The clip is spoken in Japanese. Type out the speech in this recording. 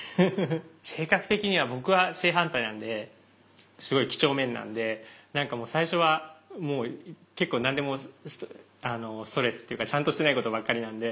性格的には僕は正反対なんですごい几帳面なんで何かもう最初はもう結構何でもストレスっていうかちゃんとしてないことばっかりなんで。